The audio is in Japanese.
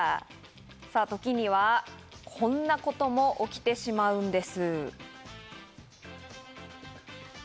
時にはこんな事も起きてしまうんです。